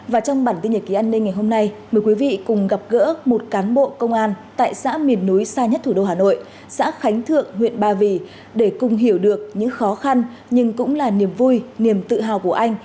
và trong bản tin nhật ký an ninh ngày hôm nay mời quý vị cùng gặp gỡ một cán bộ công an tại xã miền núi xa nhất thủ đô hà nội xã khánh thượng huyện ba vì để cùng hiểu được những khó khăn nhưng cũng là niềm vui niềm tự hào của anh